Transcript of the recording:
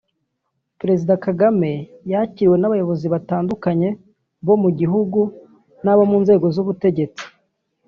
Perezida Kagame yakiriwe n’abayobozi batandukanye bo mu gihugu n’abo mu nzego z’ubutegetsi